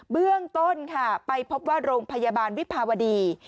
เบื้องต้นค่ะไปพบว่าโรงพยาบาลวิภาวดี